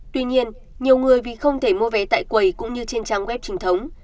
tuy nhiên nhiều người vì không thể mua vé tại quầy cũng như trên trang web truyền thống